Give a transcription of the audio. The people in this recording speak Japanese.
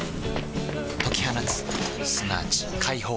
解き放つすなわち解放